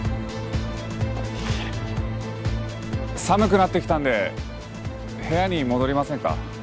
寒くなってきたので部屋に戻りませんか？